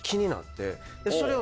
それを。